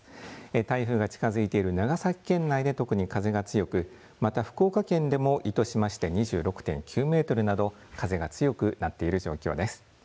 台風が近づいている長崎県内で特に風が強くまた、福岡県でも糸島市で２６．９メートルなど風が強くなっている状況です。